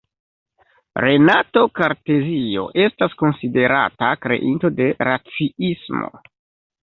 Renato Kartezio estas konsiderata kreinto de raciismo.